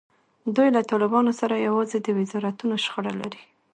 دوی له طالبانو سره یوازې د وزارتونو شخړه لري.